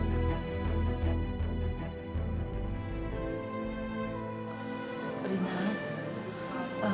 selalu tertimpa musibah